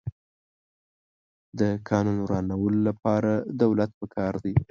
د قانون د ورانولو لپاره دولت پکار دی.